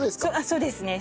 そうですね。